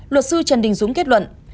luật sư trần đình dũng kết luận